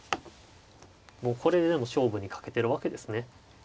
もうこれででも勝負にかけてるわけですね。